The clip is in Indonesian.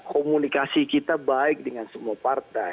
komunikasi kita baik dengan semua partai